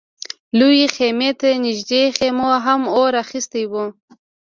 لويې خيمې ته نږدې خيمو هم اور اخيستی و.